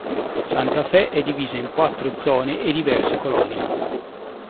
Santa Fe è divisa in quattro zone e diverse colonie.